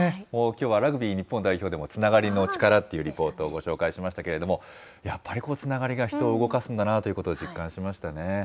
きょうはラグビー日本代表でもつながりの力っていうリポートをご紹介しましたけれども、やっぱり、つながりが人を動かすんだなぁということを、実感しましたね。